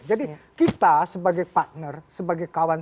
jadi kita sebagai partner sebagai kawan